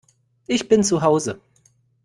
Ich bin zu Hause